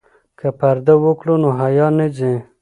که پرده وکړو نو حیا نه ځي.